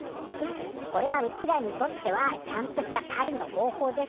これはうちらにとってはちゃんとしたかりの方法ですから。